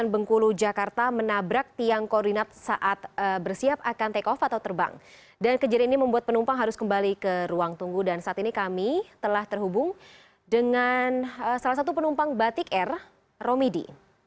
dengan salah satu penumpang batik air romidi